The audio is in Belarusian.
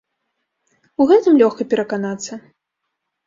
У гэтым лёгка пераканацца.